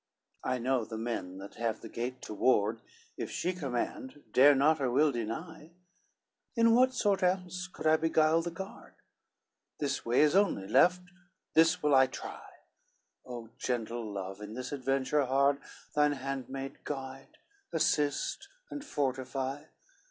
LXXXVIII "I know the men that have the gate to ward, If she command dare not her will deny, In what sort else could I beguile the guard? This way is only left, this will I try: O gentle love, in this adventure hard Thine handmaid guide, assist and fortify!